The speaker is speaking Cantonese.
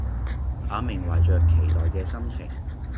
阿明懷著期待嘅心情